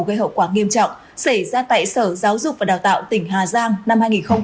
gây hậu quả nghiêm trọng xảy ra tại sở giáo dục và đào tạo tỉnh hà giang năm hai nghìn một mươi bảy